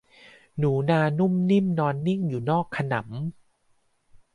หนูนานุ่มนิ่มนอนนิ่งอยู่นอกขนำ